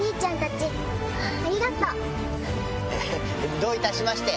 どういたしまして！